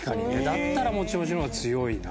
だったら「もちもち」の方が強いな。